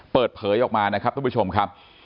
เปิดเผยออกมานะครับทุกผู้ชมครับ